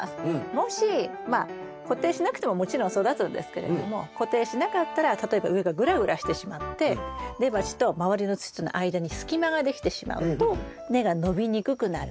もしまあ固定しなくてももちろん育つんですけれども固定しなかったら例えば上がグラグラしてしまって根鉢と周りの土との間に隙間ができてしまうと根が伸びにくくなる。